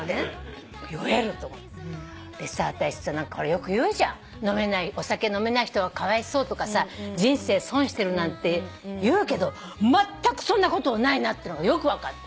よく言うじゃんお酒飲めない人はかわいそうとか人生損してるなんて言うけどまったくそんなことはないなっていうのがよく分かった。